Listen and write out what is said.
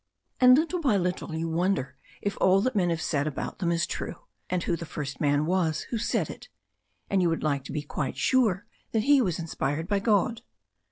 And little by little you wonder if all that men have said about them is true, and who the first man was who said it. And you would like to be quite sure that he was inspired by God.